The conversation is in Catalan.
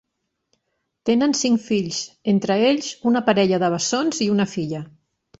Tenen cinc fills; entre ells, una parella de bessons i una filla.